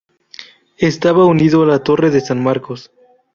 Estaba unido a la Torre de San Marcos.